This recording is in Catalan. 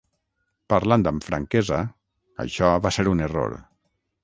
Parlant amb franquesa, això va ser un error.